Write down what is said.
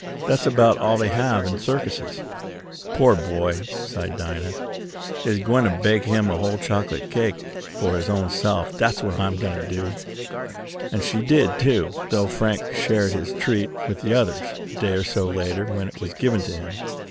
"That's about all they have in circuses." "Pore boy!" sighed Dinah. "I'se gwine t' bake him a whole chocolate cake fo' his ownse'f; dat's what I am!" And she did, too, though Frank shared his treat with the others, a day or so later, when it was given to him.